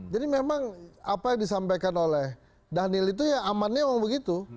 jadi memang apa yang disampaikan oleh daniel itu ya amannya memang begitu